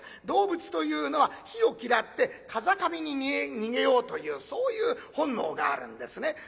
動物というのは火を嫌って風上に逃げようというそういう本能があるんですね。